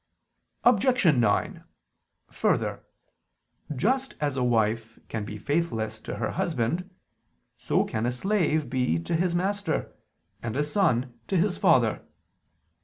Objection 9: Further, just as a wife can be faithless to her husband, so can a slave be to his master, and a son to his father.